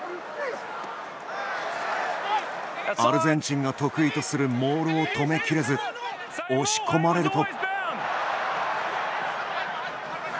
アルゼンチンが得意とするモールを止めきれず押し込まれると。